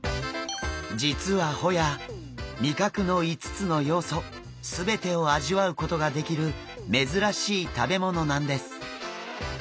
実はホヤ味覚の５つの要素全てを味わうことができる珍しい食べ物なんです。